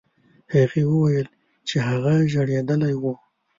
هغې وویل چې هغه ژړېدلی و.